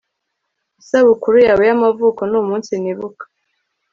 isabukuru yawe yamavuko ni umunsi nibuka